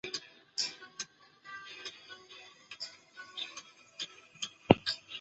一些更复杂的方案会改变这些持续时间以传达更多信息。